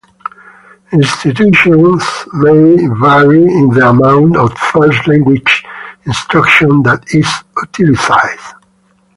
Institutions may vary in the amount of first-language instruction that is utilized.